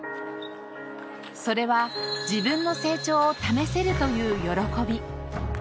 それは自分の成長を試せるという喜び。